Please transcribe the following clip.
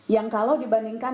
yang kalau dibandingkan